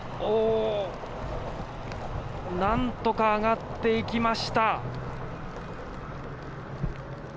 何とか上がっていきました。